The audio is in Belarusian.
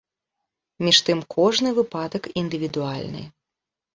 Між тым кожны выпадак індывідуальны.